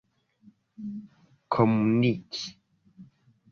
komuniki